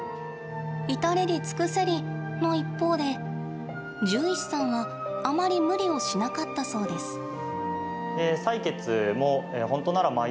至れり尽くせりの一方で獣医師さんは、あまり無理をしなかったそうです。